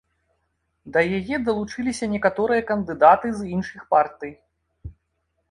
Да яе далучыліся некаторыя кандыдаты з іншых партый.